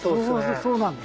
そうなんです。